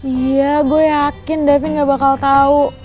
iya gua yakin davin ga bakal tau